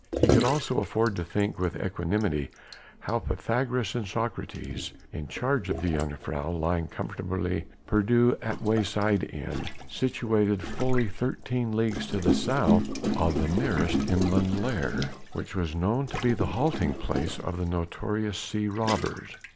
He could also afford to think with equanimity now of Pythagoras and Socrates in charge of the jongejuffrouw lying comfortably perdu at a wayside inn, situated fully thirteen leagues to the south of the nearest inland lair, which was known to be the halting place of the notorious sea robbers.